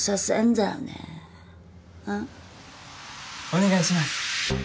お願いします。